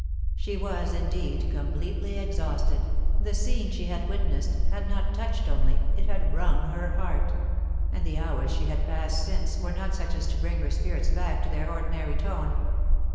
She was indeed completely exhausted, the scene she had witnessed had not touched only, it had wrung her heart ; and the hours she had passed since, were not such as to bring her spirits back to their ordinary tone.